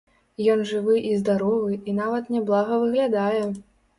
Ён жывы і здаровы, і нават няблага выглядае.